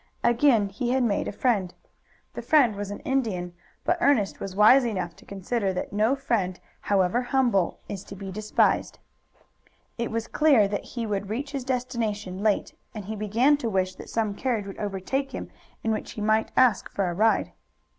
Again he had made a friend. The friend was an Indian, but Ernest was wise enough to consider that no friend, however humble, is to be despised. It was clear that he would reach his destination late, and he began to wish that some carriage would overtake him in which he might ask for a ride.